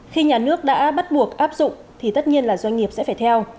khi nhà nước đã bắt buộc áp dụng thì tất nhiên là doanh nghiệp sẽ phải theo